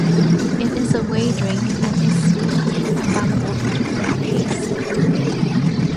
It is a whey drink and is sweet and available in different tastes.